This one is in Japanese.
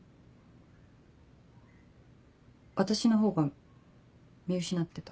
私の方が見失ってた。